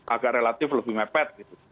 agak relatif lebih mepet gitu